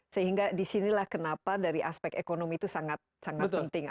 sehingga di sinilah kenapa dari aspek ekonomi itu sangat penting